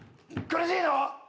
苦しいの？